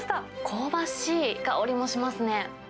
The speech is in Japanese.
香ばしい香りもしますね。